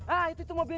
ah itu tuh mau beri